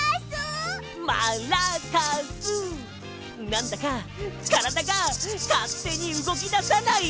なんだかからだがかってにうごきださない？